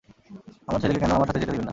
আমার ছেলেকে কেন আমার সাথে যেতে দিবেন না?